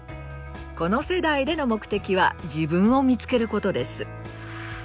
この世代での目的は“自分を見つける”ことです。